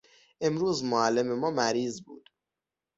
امروز معلم ما مریض بود.